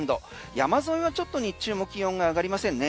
山沿いはちょっと日中も気温が上がりませんね。